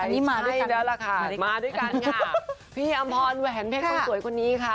อันนี้มาด้วยกันแล้วล่ะค่ะมาด้วยกันค่ะพี่อำพรแหวนเพชรคนสวยคนนี้ค่ะ